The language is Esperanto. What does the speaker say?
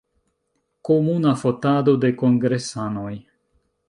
Komuna fotado de kongresanoj.